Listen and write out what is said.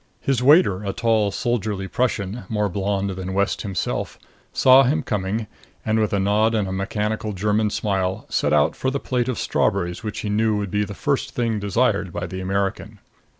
His waiter a tall soldierly Prussian, more blond than West himself saw him coming and, with a nod and a mechanical German smile, set out for the plate of strawberries which he knew would be the first thing desired by the American.